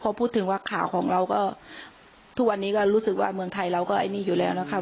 พอพูดถึงว่าข่าวของเราก็ทุกวันนี้ก็รู้สึกว่าเมืองไทยเราก็ไอ้นี่อยู่แล้วนะคะ